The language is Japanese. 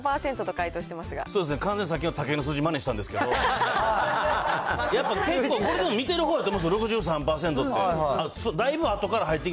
そうですね、完全にさっきの武井の数字まねしたんですけど、やっぱ、結構これでも見てるほうやと思います、６３％って。